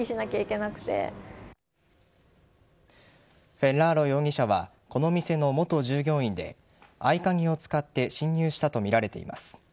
フェッラーロ容疑者はこの店の元従業員で合鍵を使って侵入したとみられています。